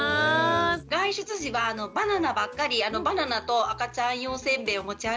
外出時はバナナばっかりバナナと赤ちゃん用せんべいを持ち歩いたりしていました。